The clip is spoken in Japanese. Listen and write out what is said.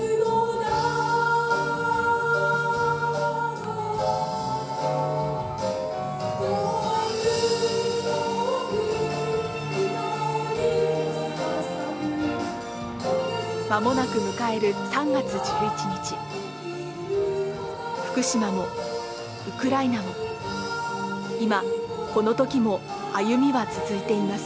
平和を願う祈りまもなく迎える３月１１日福島もウクライナも今このときも歩みは続いています。